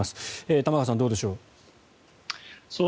玉川さん、どうでしょう。